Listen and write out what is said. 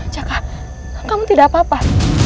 caka kamu tidak apa apa